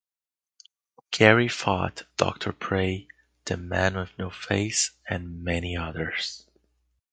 Kerry fought Doctor Prey, the Man with No Face, and many others.